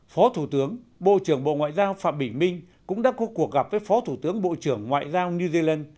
phó thủ tướng bộ trưởng bộ ngoại giao phạm bình minh cũng đã có cuộc gặp với phó thủ tướng bộ trưởng ngoại giao new zealand